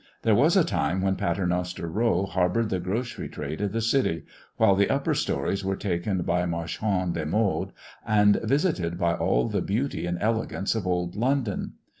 There was a time when Paternoster row harboured the grocery trade of the city, while the upper stories were taken by Marchandes des Modes and visited by all the beauty and elegance of old London.